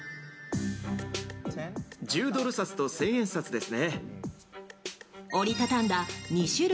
１０ドル札と１０００円札ですね。